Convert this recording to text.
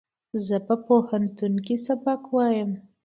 زه په پوهنتون کښې سبق وایم